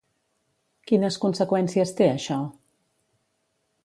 Quines conseqüències té això?